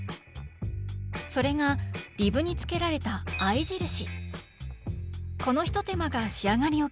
それがリブにつけられた合い印。